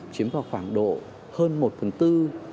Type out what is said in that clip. chiếm vào khoảng độ hơn một phần tư